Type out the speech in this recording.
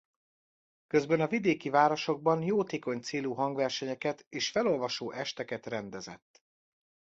Közben a vidéki városokban jótékony célú hangversenyeket és felolvasó esteket rendezett.